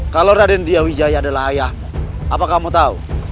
kalau raden dia wijaya adalah ayahmu apa kamu tahu